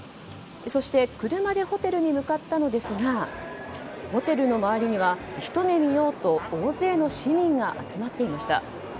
そして、車でホテルに向かったのですがホテルの周りにはひと目見ようと大勢の市民が集まっていました。